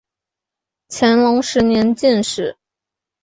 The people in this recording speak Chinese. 乾隆十年进士。